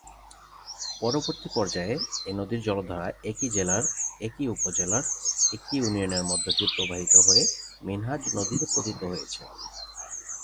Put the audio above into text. পরবর্তী পর্যায়ে এ নদীর জলধারা একই জেলার একই উপজেলার একই ইউনিয়নের মধ্য দিয়ে প্রবাহিত হয়ে মিনহাজ নদীতে পতিত হয়েছে।